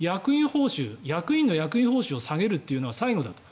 役員の役員報酬を下げるっていうのは最後だと。